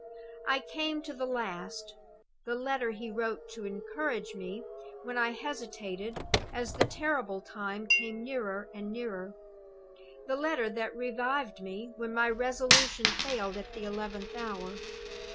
"I came to the last the letter he wrote to encourage me, when I hesitated as the terrible time came nearer and nearer; the letter that revived me when my resolution failed at the eleventh hour.